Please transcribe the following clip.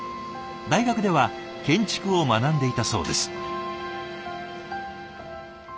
大学では建築を学んでいたそうです。